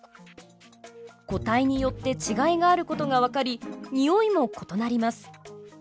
個体によって違いがあることが分かりニオイも異なります。